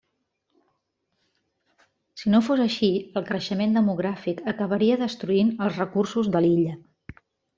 Si no fos així, el creixement demogràfic acabaria destruint els recursos de l'illa.